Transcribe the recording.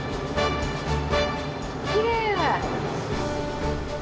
きれい！